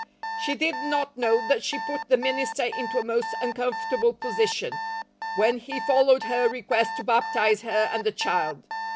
She did not know that she put the minister into a most uncomfortable position, when he followed her request to baptize her and the child.